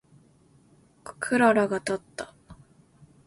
クララがたった。